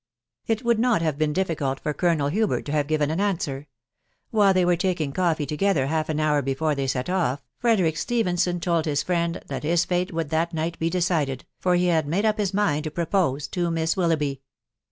It would not have been difficult for Colonel Hubert to have given an answer. While they were taking coffee together half an hour before they set off, Frederick Stephenson told his friend that his fate would that night be decided, for he had made up his mind to propose to Miss Willoughby.